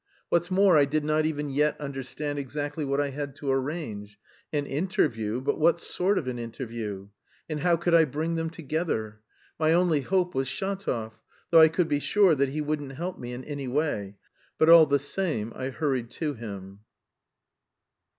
What's more I did not even yet understand exactly what I had to arrange; an interview, but what sort of an interview? And how could I bring them together? My only hope was Shatov, though I could be sure that he wouldn't help me in any way. But all the same, I hurried to him.